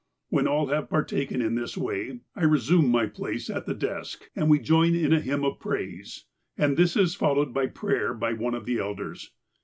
When all have partaken in this way, I resume my place at the desk, and we join in a hymn of praise, and this is fol lowed by prayer by one of the elders.